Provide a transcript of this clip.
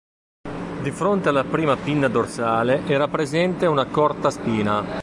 Di fronte alla prima pinna dorsale era presente una corta spina.